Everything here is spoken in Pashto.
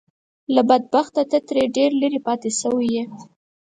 له بده بخته ته ترې ډېر لرې پاتې شوی يې .